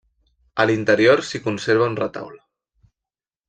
A l'interior s'hi conserva un retaule.